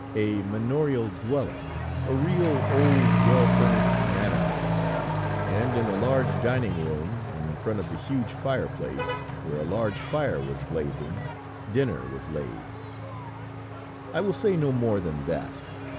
A manorial dwelling, a real old, well furnished manor house; and in the large dining room, in front of the huge fireplace, where a large fire was blazing, dinner was laid; I will say no more than that!